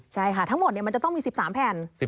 ใช่ค่ะทั้งหมดมันจะต้องมี๑๓แผ่น